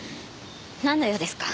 なんの用ですか？